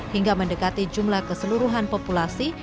hingga mendekati jumlah keseluruhan populasi